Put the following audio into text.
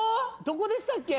どこでしたっけ？